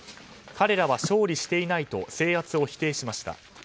彼らは勝利していないと制圧を否定しました。